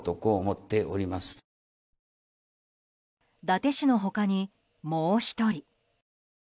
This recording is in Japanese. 伊達氏の他に、もう１人。